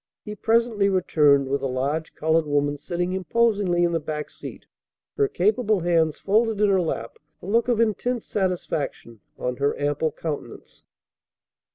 He presently returned with a large colored woman sitting imposingly in the back seat, her capable hands folded in her lap, a look of intense satisfaction on her ample countenance.